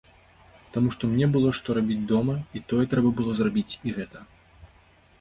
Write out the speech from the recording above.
Таму што мне было што рабіць дома, і тое трэба было зрабіць, і гэта.